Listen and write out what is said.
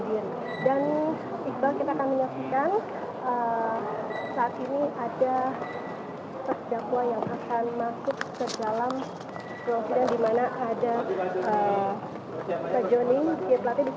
dan ikbal kita akan menyaksikan saat ini ada terdakwa yang akan masuk ke dalam bawang sidang